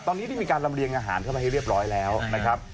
ตอนนี้ได้มีการลำเลียงอาหารเข้าไปให้เรียบร้อยแล้วนะครับ